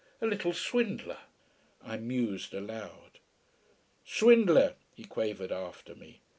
A little swindler!" I mused aloud. "Swindler!" he quavered after me.